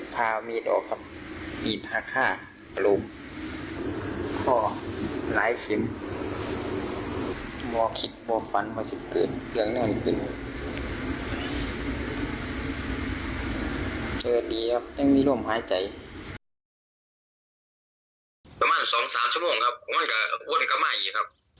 ประมาณสองสามชั่วโมงครับประมาณกับอ้วนก็ไม่ครับ